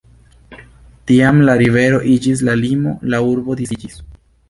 Tiam la rivero iĝis la limo, la urbo disiĝis.